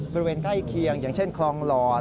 บริเวณใกล้เคียงอย่างเช่นคลองหลอด